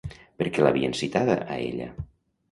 Per què l'havien citada a ella?